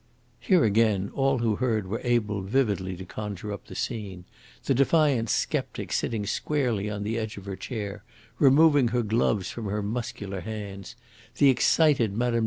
Here, again, all who heard were able vividly to conjure up the scene the defiant sceptic sitting squarely on the edge of her chair, removing her gloves from her muscular hands; the excited Mme.